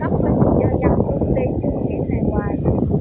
chơi chặt chơi chơi chơi chơi này hoài